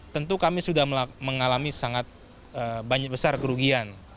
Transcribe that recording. tentu kami sudah mengalami sangat banyak besar kerugian